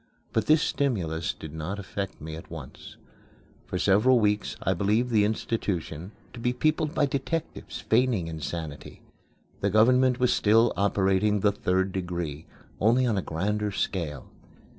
But this stimulus did not affect me at once. For several weeks I believed the institution to be peopled by detectives, feigning insanity. The government was still operating the Third Degree, only on a grander scale.